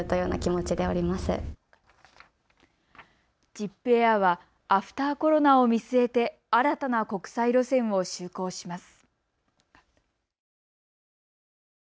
ジップエアはアフターコロナを見据えて新たな国際路線を就航します。